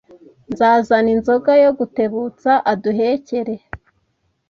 nzazana inzoga yo guteutsa aduhekere